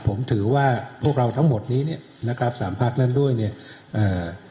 ผมถือว่าพวกเราทั้งหมดนี้เนี้ยนะครับสามพักนั้นด้วยเนี่ยอ่า